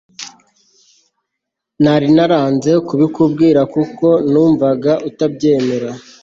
nari naranze kubikubwira kuko numvaga utabyemera